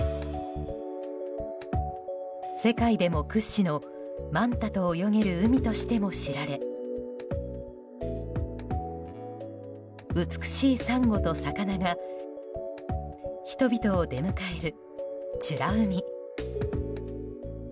世界でも屈指のマンタと泳げる海としても知られ美しいサンゴと魚が人々を出迎える、美ら海。